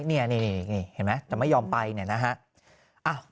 นี่เห็นไหมแต่ไม่ยอมไปเนี่ยนะฮะ